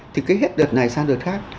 thì cái hết đợt này sang đợt khác